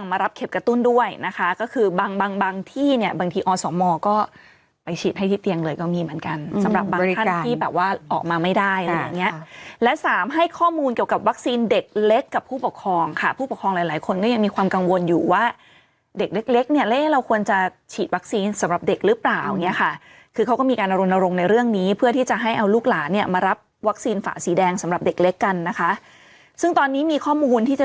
มาไม่ได้และ๓ให้ข้อมูลเกี่ยวกับวัคซีนเด็กเล็กกับผู้ปกครองค่ะผู้ปกครองหลายคนก็ยังมีความกังวลอยู่ว่าเด็กเล็กเนี่ยเราควรจะฉีดวัคซีนสำหรับเด็กหรือเปล่าเนี่ยค่ะคือเขาก็มีการอนรงในเรื่องนี้เพื่อที่จะให้เอาลูกหลานเนี่ยมารับวัคซีนฝ่าสีแดงสำหรับเด็กเล็กกันนะคะซึ่งตอนนี้มีข้อมูลที่